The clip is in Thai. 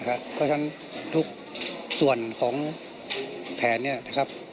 เพราะฉะนั้นทุกส่วนของแผนเนี่ยนะครับ